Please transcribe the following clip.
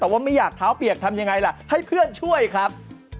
แต่ว่าไม่อยากเท้าเปียกทำยังไงล่ะให้เพื่อนช่วยครับ